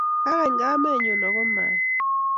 Kagany kamennyu ako ma itu